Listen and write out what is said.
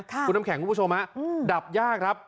คุณน้ำแข็งคุณผู้ชมฮะดับยากครับ